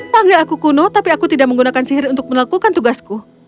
panggil aku kuno tapi aku tidak menggunakan sihir untuk melakukan tugasku